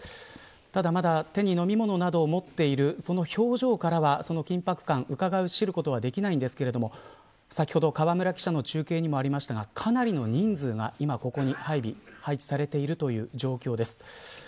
ただ、まだ手に飲み物などを持っているその表情からは、緊迫感をうかがい知ることはできないんですが先ほど河村記者の中継にもありましたがかなりの人数が今ここに配備されているという状況です。